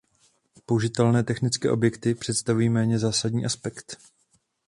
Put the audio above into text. Použité technické objekty představují méně zásadní aspekt.